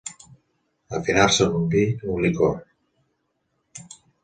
Afinar-se un vi, un licor.